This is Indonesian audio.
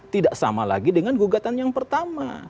tidak sama lagi dengan gugatan yang pertama